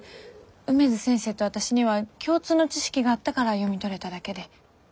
梅津先生と私には共通の知識があったから読み取れただけで。